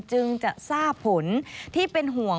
จึงจะทราบผลที่เป็นห่วง